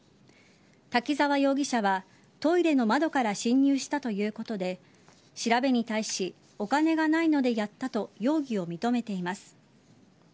滝沢容疑者は、トイレの窓から侵入したということで調べに対しお金がないのでやったと容疑を認めています。